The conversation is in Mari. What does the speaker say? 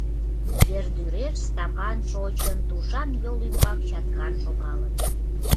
Ердӱреш Стапан шочын, тушан йол ӱмбак чаткан шогалын.